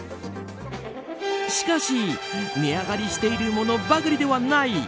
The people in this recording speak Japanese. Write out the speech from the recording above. しかし、値上がりしているものばかりではない。